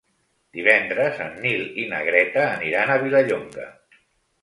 Divendres en Nil i na Greta aniran a Vilallonga.